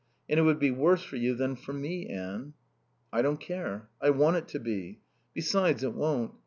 And it would be worse for you than for me, Anne." "I don't care. I want it to be. Besides, it won't.